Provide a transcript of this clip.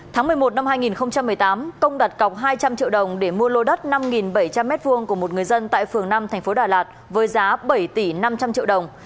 tháng một mươi một năm hai nghìn một mươi tám công đặt cọc hai trăm linh triệu đồng để mua lô đất năm bảy trăm linh m hai của một người dân tại phường năm tp đà lạt với giá bảy tỷ năm trăm linh triệu đồng